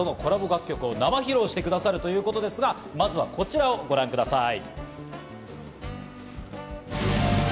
楽曲を生披露してくださるということですが、まずはこちらをご覧ください。